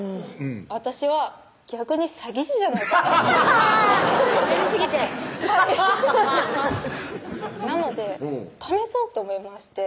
私は逆に詐欺師じゃないかなってやりすぎてハハハハッなので試そうと思いまして